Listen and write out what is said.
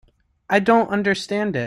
I don't understand it.